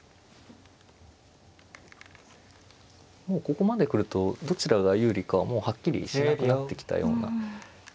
もうここまで来るとどちらが有利かはもうはっきりしなくなってきたような気がしますね。